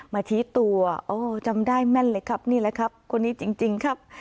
ชี้ตัวโอ้จำได้แม่นเลยครับนี่แหละครับคนนี้จริงครับ